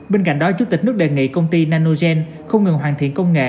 bên cạnh đó chủ tịch nước đề nghị công ty nanogen không ngừng hoàn thiện công nghệ